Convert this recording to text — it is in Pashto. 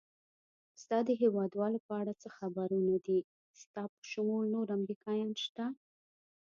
ستا د هېوادوالو په اړه څه خبرونه دي؟ ستا په شمول نور امریکایان شته؟